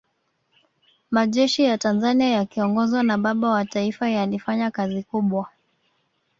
majeshi ya tanzania yakiongozwa na baba wa taifa yalifanya kazi kubwa